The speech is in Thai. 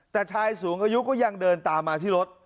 แต่ชายสูงอายุก็ยังเดินตามมาที่รถ